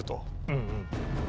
うんうん。